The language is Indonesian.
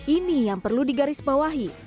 ini yang perlu digarisbawahi